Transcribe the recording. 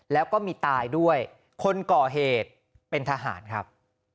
แล้วก็มีตายด้วยคนก่อเหตุเป็นทหารครับ